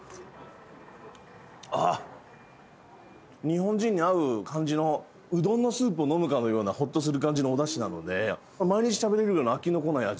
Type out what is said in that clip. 日本人に合う感じのうどんスープを飲むかのようなほっとする感じのおだしなので毎日食べれるような飽きのこない味。